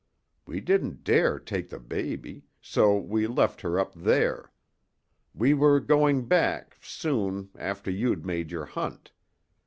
We didn't dare take the baby so we left her up there. We were going back soon after you'd made your hunt.